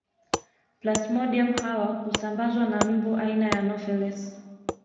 Plasmodium hawa husambazwa na mbu aina ya Anofelesi